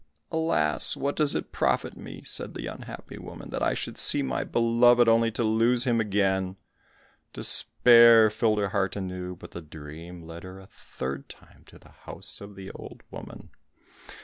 "Alas, what does it profit me?" said the unhappy woman, "that I should see my beloved, only to lose him again!" Despair filled her heart anew, but the dream led her a third time to the house of the old woman.